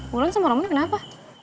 wulan sama roman kenapa